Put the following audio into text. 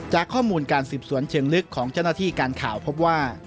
ข้อมูลการสืบสวนเชิงลึกของเจ้าหน้าที่การข่าวพบว่า